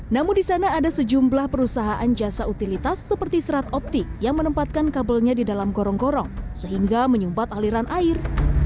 namun di sana ada sejumlah perusahaan jasa utilitas seperti serat optik yang menempatkan kabelnya di dalam gorong gorong sehingga menyumpat aliran air